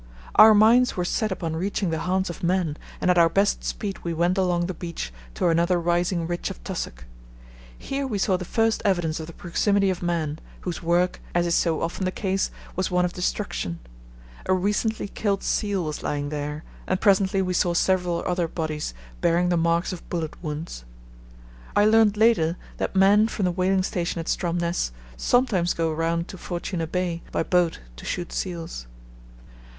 Our minds were set upon reaching the haunts of man, and at our best speed we went along the beach to another rising ridge of tussock. Here we saw the first evidence of the proximity of man, whose work, as is so often the ease, was one of destruction. A recently killed seal was lying there, and presently we saw several other bodies bearing the marks of bullet wounds. I learned later that men from the whaling station at Stromness sometimes go round to Fortuna Bay by boat to shoot seals.